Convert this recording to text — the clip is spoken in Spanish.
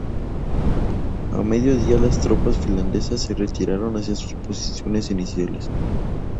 A mediodía, las tropas finlandesas se retiraron hacia sus posiciones iniciales.